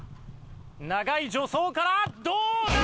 長い助走からどうだ？